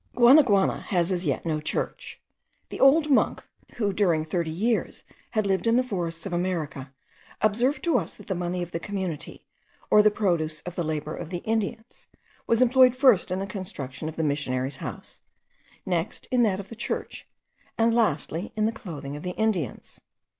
Guanaguana has as yet no church. The old monk, who during thirty years had lived in the forests of America, observed to us that the money of the community, or the produce of the labour of the Indians, was employed first in the construction of the missionary's house, next in that of the church, and lastly in the clothing of the Indians.